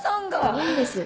いいんです